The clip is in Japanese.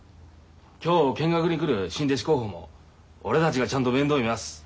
今日見学に来る新弟子候補も俺たちがちゃんと面倒見ます。